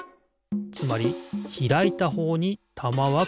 つまりひらいたほうにたまはころがる。